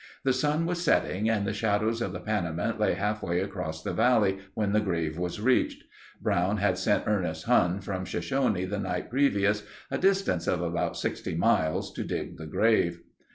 The sun was setting and the shadows of the Panamint lay halfway across the valley when the grave was reached. Brown had sent Ernest Huhn from Shoshone the night previous, a distance of about 60 miles, to dig the grave.